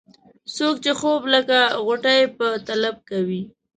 څوک چې خوب لکه غوټۍ په طلب کوي.